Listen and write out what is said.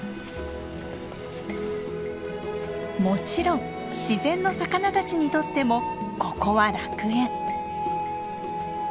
もちろん自然の魚たちにとってもここは楽園。